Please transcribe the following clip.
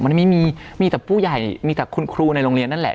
มันไม่มีมีแต่ผู้ใหญ่มีแต่คุณครูในโรงเรียนนั่นแหละ